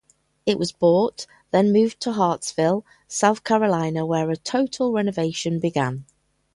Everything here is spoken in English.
It was bought, then moved to Hartsville, South Carolina where a total renovation began.